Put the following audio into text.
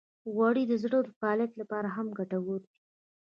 غوړې د زړه د فعالیت لپاره هم ګټورې دي.